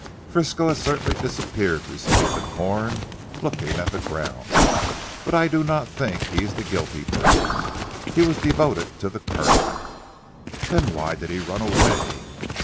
"Frisco has certainly disappeared," responded Corn looking at the ground, "but I do not think he is the guilty person. He was devoted to the Colonel." "Then why did he run away?"